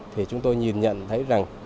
thì chúng tôi nhìn nhận thấy rằng